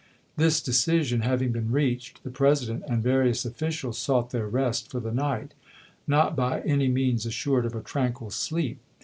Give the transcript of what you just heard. This decision having been reached, the President and various officials sought theu* rest for the night, not by any means assured of a tranquil sleep.